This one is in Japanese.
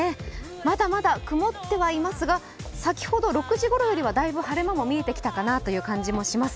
まだまだ曇ってはいますが、先ほど６時ごろよりはだいぶ晴れ間も見えてきたかなという感じもします。